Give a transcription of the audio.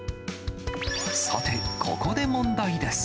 さてここで問題です。